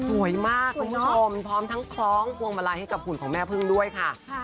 สวยมากคุณผู้ชมพร้อมทั้งคล้องพวงมาลัยให้กับหุ่นของแม่พึ่งด้วยค่ะ